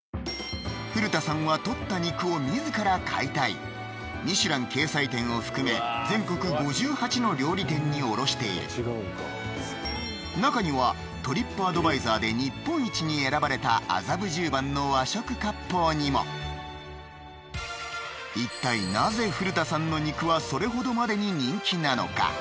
古田さんは獲った肉を自ら解体ミシュラン掲載店を含め全国５８の料理店に卸している中にはトリップアドバイザーで日本一に選ばれた麻布十番の和食かっぽうにも一体なぜ古田さんの肉はそれほどまでに人気なのか？